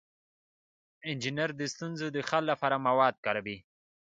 انجینر د ستونزو د حل لپاره مواد کاروي.